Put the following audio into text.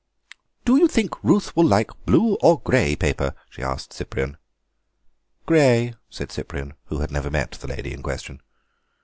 "Do you think Ruth will like blue or grey paper?" she asked Cyprian. "Grey," said Cyprian, who had never met the lady in question.